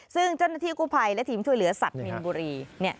ซึ่งเจ้าหน้าที่กู้ภัยและทีมช่วยเหลือสัตว์มีนบุรี